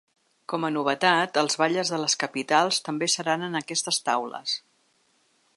Com a novetat, els batlles de les capitals també seran en aquestes taules.